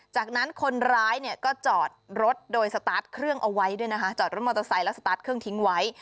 จากนั้นคนร้ายเนี่ยก็จอดรถโดยสตาร์ทเครื่องเอาไว้ด้วยนะคะจอดรถมอเตอร์ไซค์แล้วสตาร์ทเครื่องทิ้งไว้